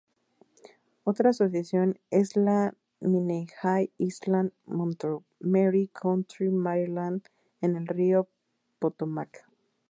Otra asociación es la Minnehaha Island, Montgomery County, Maryland en el Río Potomac.